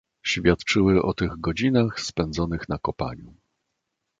"Świadczyły o tych godzinach, spędzonych na kopaniu."